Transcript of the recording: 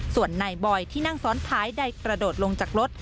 ส่วนนายบอยที่นั่งซ้อนท้ายได้กระโดดลงจากรถ